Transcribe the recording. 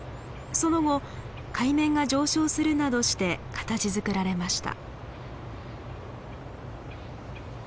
その後海面が上昇するなどして形づくられました。